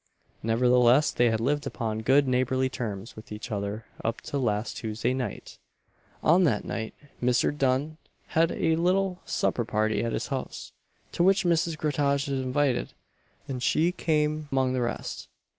Nevertheless, they had lived upon good neighbourly terms with each other up to last Tuesday night. On that night, Mr. Dunn had a little supper party at his house, to which Mrs. Groutage was invited, and she came among the rest.